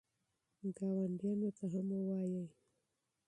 ګاونډیانو ته هم ووایئ.